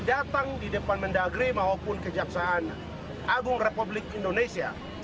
datang di depan mendagri maupun kejaksaan agung republik indonesia